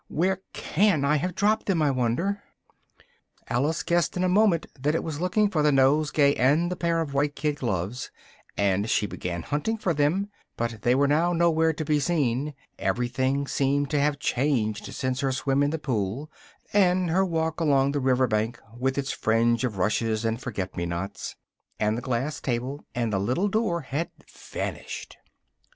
Where can I have dropped them, I wonder?" Alice guessed in a moment that it was looking for the nosegay and the pair of white kid gloves, and she began hunting for them, but they were now nowhere to be seen everything seemed to have changed since her swim in the pool, and her walk along the river bank with its fringe of rushes and forget me nots, and the glass table and the little door had vanished.